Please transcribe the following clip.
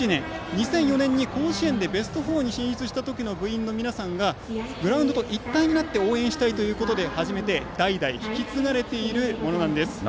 ２００４年に甲子園でベスト４に進出した時の部員の皆さんがグラウンドと一体になって応援したいということで始めて代々引き継がれているものなんです。